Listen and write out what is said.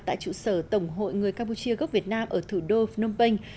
tại trụ sở tổng hội người campuchia gốc việt nam ở thủ đô phnom penh